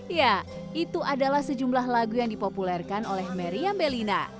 ya itu adalah sejumlah lagu yang dipopulerkan oleh meriam belina